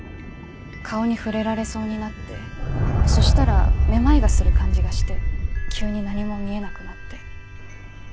顔に触れられそうになってそしたら目眩がする感じがして急に何も見えなくなって。